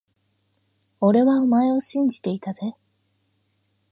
俺はお前を信じていたぜ…